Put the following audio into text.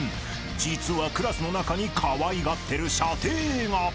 ［実はクラスの中にかわいがってる舎弟が］